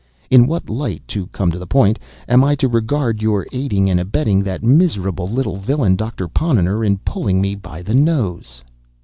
In what light (to come to the point) am I to regard your aiding and abetting that miserable little villain, Doctor Ponnonner, in pulling me by the nose?"